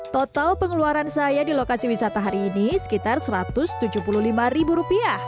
total pengeluaran saya di lokasi wisata hari ini sekitar rp satu ratus tujuh puluh lima